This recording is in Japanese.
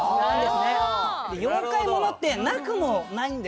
妖怪ものってなくもないんですけども。